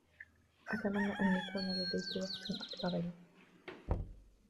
أتمنى أن يكون لديك وقت أكثر لي.